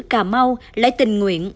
cà mau lại tình nguyện